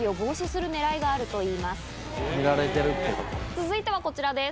続いてはこちらです。